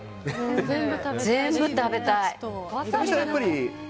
全部食べたい。